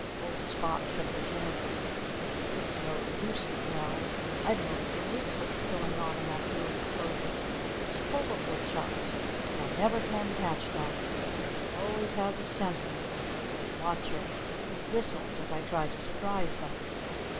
Old Spot shook his head. "It's no use," he growled. "I've known for weeks what was going on in that field of clover. It's full of Woodchucks. But I never can catch them. They always have a sentinel a watcher who whistles if I try to surprise them."